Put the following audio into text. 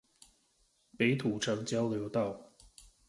北土城交流道